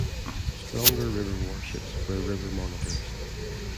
Stronger river warships were river monitors.